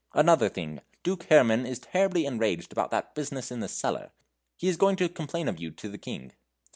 "Another thing. Duke Herrman is terribly enraged about that business in the cellar. He is going to complain of you to the King."